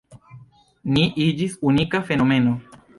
Ni iĝis unika fenomeno.